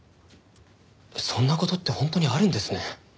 そんな事って本当にあるんですね。